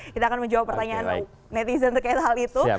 kita akan menjawab pertanyaan netizen terkait hal itu